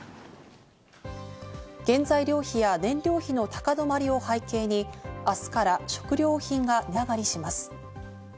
原材料費や燃料費の高止まりを背景に明日から食料品が値上がりします。